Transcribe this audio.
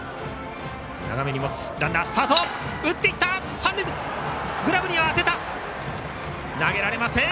サード、グラブには当てたが投げられません。